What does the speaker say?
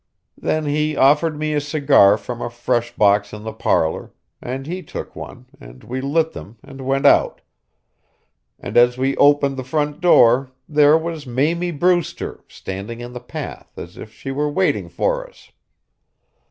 Then he offered me a cigar from a fresh box in the parlour, and he took one, and we lit them, and went out; and as we opened the front door there was Mamie Brewster standing in the path as if she were waiting for us.